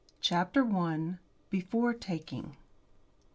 CHAPTER I. BEFORE TAKING.